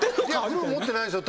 グローブ持ってないんですよ